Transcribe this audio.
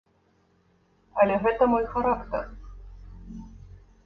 Але гэта мой характар.